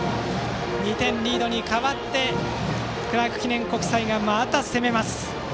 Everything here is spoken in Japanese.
２点リードに変わってクラーク記念国際がまた攻めます。